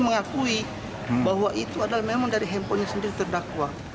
mengakui bahwa itu adalah memang dari handphonenya sendiri terdakwa